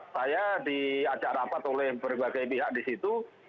saya diajak rapat oleh berbagai pihak di situ